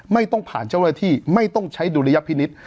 ไม่ต้องผ่านเจ้าหน้าที่ไม่ต้องใช้ดุลยพินิษฐ์